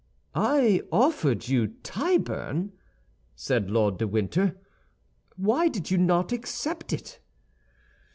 "I offered you Tyburn," said Lord de Winter. "Why did you not accept it?"